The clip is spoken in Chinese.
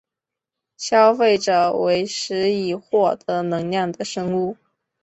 消费者为食以获得能量的生物。